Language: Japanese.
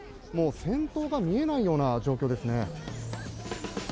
もう先頭が見えないような状況ですね。